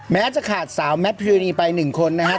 แม้จะขาดสาวแม่ก์พยูนีไป๑คนนะฮะ